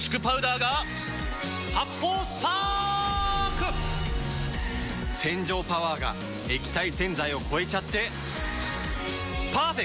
発泡スパーク‼洗浄パワーが液体洗剤を超えちゃってパーフェクト！